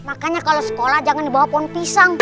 makanya kalau sekolah jangan dibawa pohon pisang